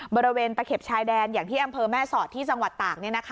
บริเวณตะเข็บชายแดนอย่างที่อำเภอแม่สอดที่จังหวัดตาก